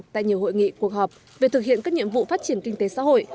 tại nhiều hội nghị cuộc họp về thực hiện các nhiệm vụ phát triển kinh tế xã hội